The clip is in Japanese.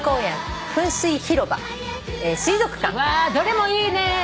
わどれもいいね。